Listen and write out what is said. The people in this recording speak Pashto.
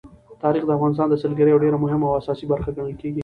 تاریخ د افغانستان د سیلګرۍ یوه ډېره مهمه او اساسي برخه ګڼل کېږي.